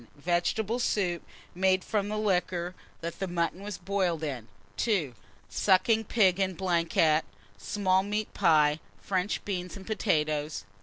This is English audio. Vegetable soup, made from liquor that mutton was boiled in. 2. Sucking pig en blanquette, small meat pie, French beans, and potatoes.